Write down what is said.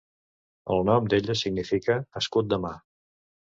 El nom d'ella significa "escut de mà".